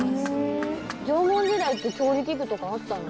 縄文時代って調理器具とかあったの？